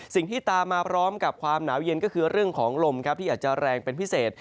สิ่งที่ตามมาพร้อมกับความหนาวเย็นก็คือเรื่องของลมครับที่อาจจะแรงเป็นพิเศษ